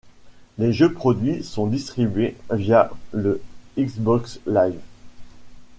Les jeux produits sont distribués via le Xbox Live.